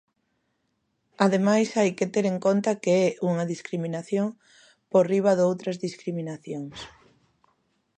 Ademais, hai que ter en conta que é unha discriminación por riba doutras discriminacións.